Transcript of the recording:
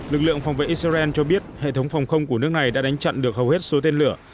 lực lượng phòng vệ israel cho biết hệ thống phòng không của nước này đã đánh chặn được hầu hết số tên lửa